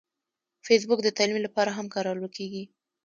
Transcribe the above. فېسبوک د تعلیم لپاره هم کارول کېږي